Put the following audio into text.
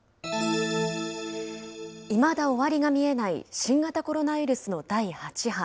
いまだ終わりが見えない新型コロナウイルスの第８波。